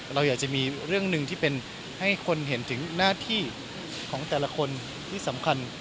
เราอยากจะมีเรื่องหนึ่งที่เป็นให้คนเห็นถึงหน้าที่ของแต่ละคนที่สำคัญ